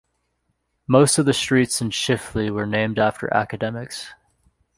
Most of the streets in Chifley were named after academics.